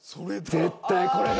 絶対これだ！